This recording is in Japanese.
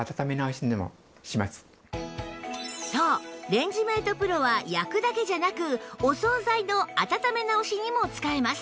そうレンジメート ＰＲＯ は焼くだけじゃなくお総菜の温め直しにも使えます